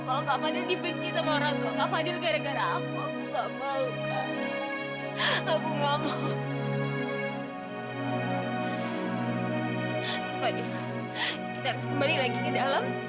kak fadil kita harus kembali lagi ke dalam